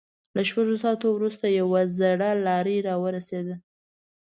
له شپږو ساعتونو وروسته يوه زړه لارۍ را ورسېده.